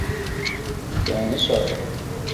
读国中时阿桑开始住在姨妈家。